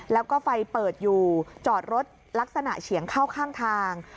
แล้วก็ไฟเปิดอยู่จอดรถลักษณะเฉียงเข้าข้างทาง